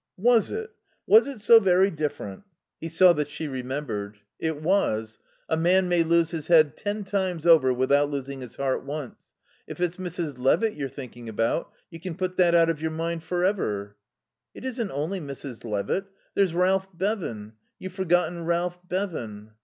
"Was it? Was it so very different?" He saw that she remembered. "It was. A man may lose his head ten times over without losing his heart once. If it's Mrs. Levitt you're thinking about, you can put that out of your mind for ever." "It isn't only Mrs. Levitt. There's Ralph Bevan. You've forgotten Ralph Bevan."